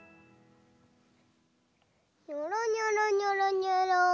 にょろにょろにょろにょろ。